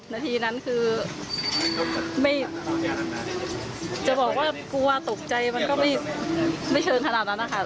นาทีนั้นคือจะบอกว่ากลัวตกใจมันก็ไม่เชิงขนาดนั้นนะคะ